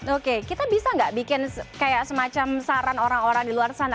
oke kita bisa nggak bikin kayak semacam saran orang orang di luar sana